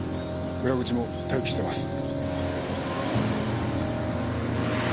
裏口も待機してます。